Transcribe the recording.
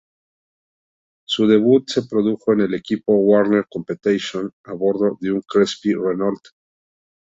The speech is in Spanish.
Su debut se produjo en el equipo Werner Competición, a bordo de un Crespi-Renault.